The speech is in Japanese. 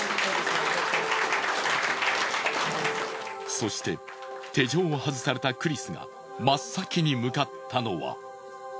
そして手錠を外されたクリスが真っ先に向かったのは。